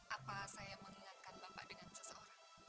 apa saya mengingatkan bapak dengan seseorang